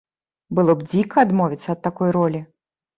Было б дзіка адмовіцца ад такой ролі.